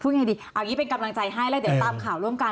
พูดง่ายดีเอางี้เป็นกำลังใจให้แล้วเดี๋ยวตามข่าวร่วมกัน